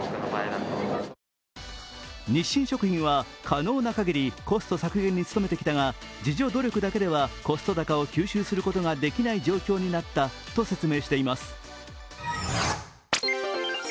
日清食品は可能な限りコスト削減に努めてきたが、自助努力だけではコスト高を吸収することができない状況になったと説明しています。